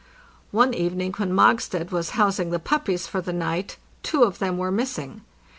One evening, when Mogstad was housing the puppies for the night, two of them were missing.